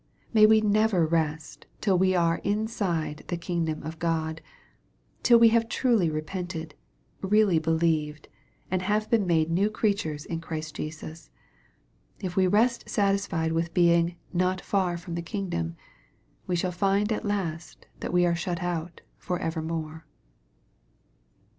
May we never rest till we are inside the kingdom of God, till we have truly repented, really believed, and have been made new creatures in Christ Jesus. If we rest satisfied with being " not far from the kingdom," we shall find at last that we are shut out for evermore.